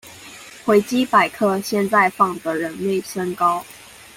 維基百科現在放的人類身高